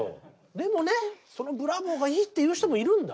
でもねそのブラボーがいいっていう人もいるんだ。